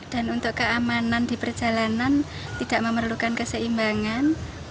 dan untuk keamanan di perjalanan tidak memerlukan keseimbangan